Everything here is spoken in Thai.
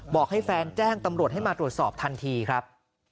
บอกให้แฟนแจ้งตำรวจให้มาตรวจสอบทันทีครับ